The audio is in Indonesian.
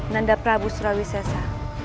nanda prabu surawisessa